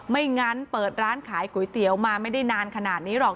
งั้นเปิดร้านขายก๋วยเตี๋ยวมาไม่ได้นานขนาดนี้หรอก